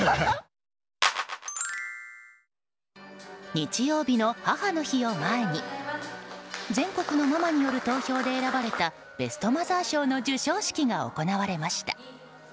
日曜日の母の日を前に全国のママによる投票で選ばれたベストマザー賞の授賞式が行われました。